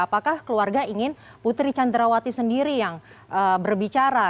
apakah keluarga ingin putri candrawati sendiri yang berbicara